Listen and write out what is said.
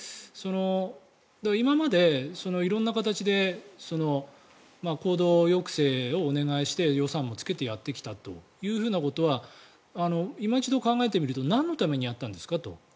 今まで色んな形で行動抑制をお願いして予算もつけてやってきたということはいま一度考えてみるとなんのためにやったんですかと。